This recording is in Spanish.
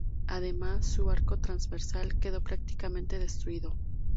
Además, su arco transversal quedó prácticamente destruido.